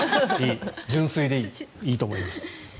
純粋でいいと思います。